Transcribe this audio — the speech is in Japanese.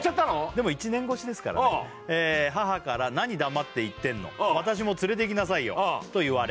でも１年越しですからね「母から何黙って行ってんの私も連れていきなさいよと言われ」